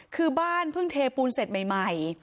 คือบ้านเพิ่งเทปูนเสร็จใหม่